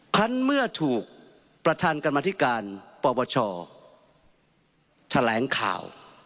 ครั้งเมื่อถูกประธานกรรมธิการปปชแถลงข่าว